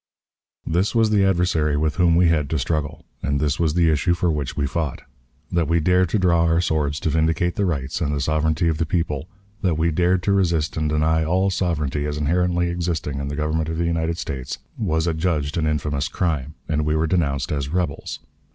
This was the adversary with whom we had to struggle, and this was the issue for which we fought. That we dared to draw our swords to vindicate the rights and the sovereignty of the people, that we dared to resist and deny all sovereignty as inherently existing in the Government of the United States, was adjudged an infamous crime, and we were denounced as "rebels."